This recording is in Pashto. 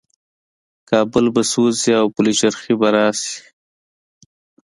کابل به سوځي او پلچرخي به راشي.